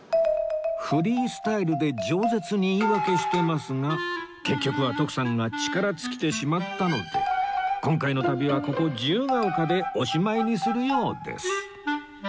フリースタイルで冗舌に言い訳してますが結局は徳さんが力尽きてしまったので今回の旅はここ自由が丘でおしまいにするようです